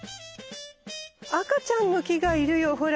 赤ちゃんの木がいるよほら。